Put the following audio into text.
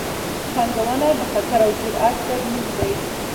پانګونه د خطر او جرات ګډ نوم دی.